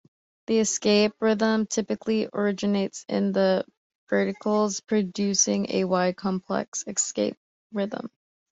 The escape rhythm typically originates in the ventricles, producing a wide complex escape rhythm.